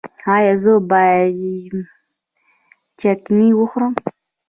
ایا زه باید چکنی وخورم؟